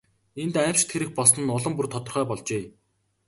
Энд аймшигт хэрэг болсон нь улам бүр тодорхой болжээ.